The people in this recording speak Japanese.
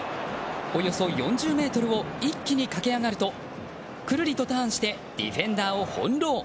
およそ４０ｍを一気に駆け上がるとくるりとターンしてディフェンダーをほんろう。